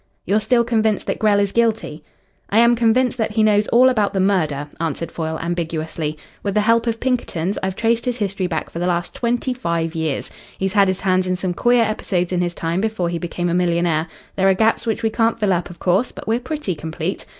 "You're still convinced that Grell is guilty?" "I am convinced that he knows all about the murder," answered Foyle ambiguously. "With the help of Pinkerton's, I've traced his history back for the last twenty five years. He's had his hands in some queer episodes in his time before he became a millionaire. There are gaps which we can't fill up, of course, but we're pretty complete.